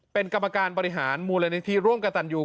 เป็นกรรมการบริหารมูลนิธิร่วมกับตันยู